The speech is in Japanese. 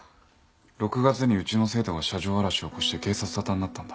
６月にうちの生徒が車上荒らしを起こして警察沙汰になったんだ